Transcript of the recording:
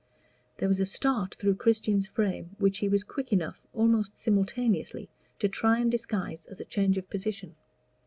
There was a start through Christian's frame which he was quick enough, almost simultaneously, to try and disguise as a change of position.